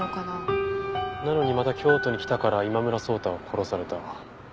なのにまた京都に来たから今村草太は殺された。